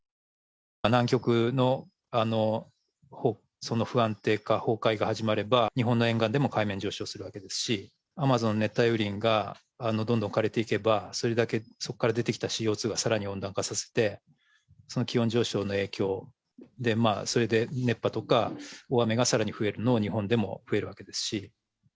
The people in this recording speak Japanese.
南極の不安定化、崩壊が始まれば、日本の沿岸でも海面上昇するわけですし、アマゾン、熱帯雨林がどんどん枯れていけば、それだけそこから出てきたＣＯ２がさらに温暖化を加速させて、その気温上昇の影響で、それで熱波とか大雨がさらに増えるのは日本でも増えるわけですし。